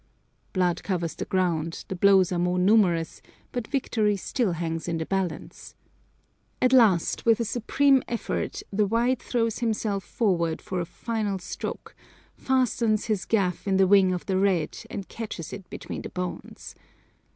Blood covers the ground, the blows are more numerous, but victory still hangs in the balance. At last, with a supreme effort, the white throws himself forward for a final stroke, fastens his gaff in the wing of the red and catches it between the bones.